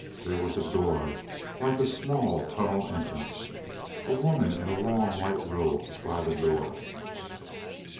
There was a door, like a small tunnel entrance. A woman in a long white robe was by the door.